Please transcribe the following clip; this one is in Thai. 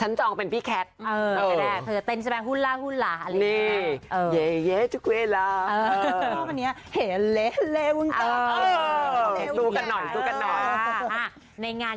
ชั้นจองเป็นพี่แคทแสดงว่าจะเป็นหุลล่าอะไรอย่างนี้